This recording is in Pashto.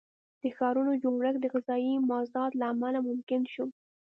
د ښارونو جوړښت د غذایي مازاد له امله ممکن شو.